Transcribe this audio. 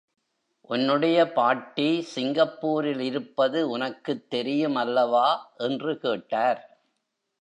உன்னுடைய பாட்டி சிங்கப்பூரில் இருப்பது உனக்குத் தெரியுமல்லவா? என்று கேட்டார்.